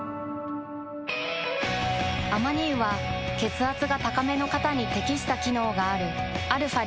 アマニ油は血圧が高めの方に適した機能があるαー